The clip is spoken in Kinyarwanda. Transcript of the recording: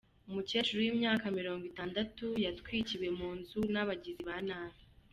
Umukecuru w’imyaka mirongo itandatu yatwikiwe mu nzu n’abagizi ba nabi